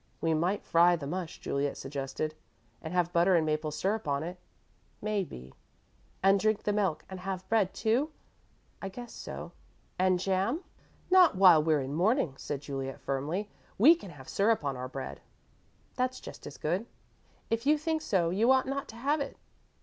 "We might fry the mush," Juliet suggested. "And have butter and maple syrup on it?" "Maybe." "And drink the milk, and have bread, too?" "I guess so." "And jam?" "Not while we're in mourning," said Juliet, firmly. "We can have syrup on our bread." "That's just as good." "If you think so, you ought not to have it."